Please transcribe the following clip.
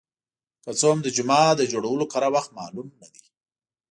که څه هم د جومات د جوړولو کره وخت معلوم نه دی.